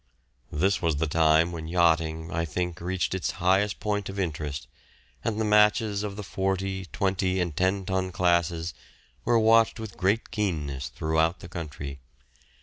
This was the time when yachting, I think, reached its highest point of interest, and the matches of the forty, twenty, and ten ton classes were watched with great keenness throughout the country.